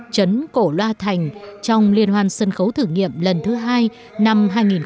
chấn cổ loa thành trong liên hoàn sân khấu thử nghiệm lần thứ hai năm hai nghìn tám